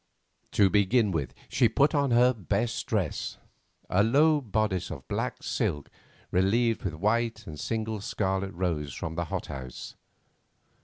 To begin with, she put on her best dress—a low bodice of black silk relieved with white and a single scarlet rose from the hothouse.